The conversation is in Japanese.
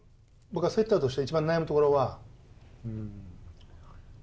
セッターとして一番悩むところは。